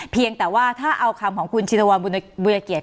เพียงแต่ว่าถ้าเอาคำของคุณชินวัลวิรเกียจ